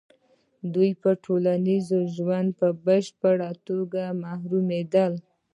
دوی به له ټولنیز ژونده په بشپړه توګه محرومېدل.